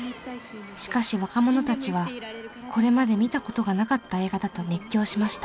しかし若者たちはこれまで見た事がなかった映画だと熱狂しました。